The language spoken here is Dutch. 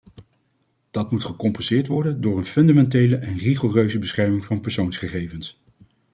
Dat moet gecompenseerd worden door een fundamentele en rigoureuze bescherming van persoonsgegevens.